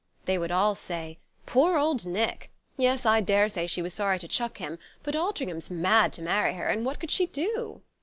They would all say: "Poor old Nick! Yes, I daresay she was sorry to chuck him; but Altringham's mad to marry her, and what could she do?"